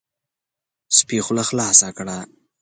سپي خوله خلاصه کړه،